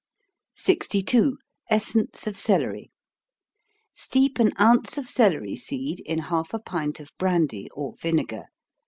62. Essence of Celery. Steep an ounce of celery seed in half a pint of brandy, or vinegar.